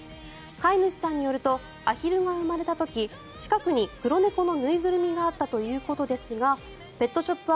飼い主さんによるとアヒルが生まれた時近くに黒猫の縫いぐるみがあったということですがペットショップ